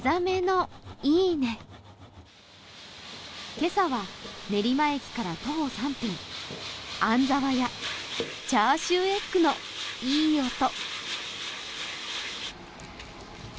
今朝は練馬駅から徒歩３分、安ざわ家、チャーシューエッグのいい音。